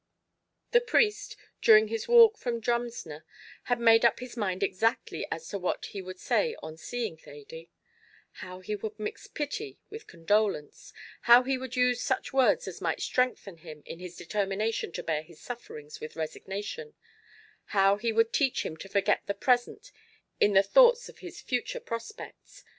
The priest, during his walk from Drumsna, had made up his mind exactly as to what he would say on seeing Thady; how he would mix pity with condolence; how he would use such words as might strengthen him in his determination to bear his sufferings with resignation; how he would teach him to forget the present in the thoughts of his future prospects.